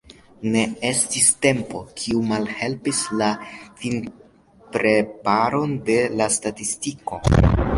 Ne estis "tempo", kiu malhelpis la finpreparon de la statistiko.